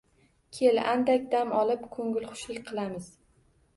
Kel, andak dam olib, ko`ngilxushlik qilamiz